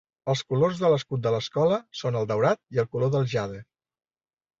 Els colors de l'escut de l'escola són el daurat i el color del jade.